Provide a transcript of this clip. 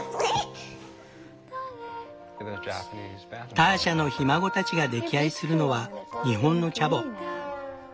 ターシャのひ孫たちが溺愛するのは日本のチャボ。